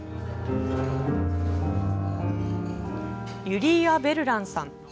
ユリーア・ヴェルランさん。